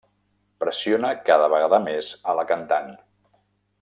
Pressiona cada vegada més a la cantant.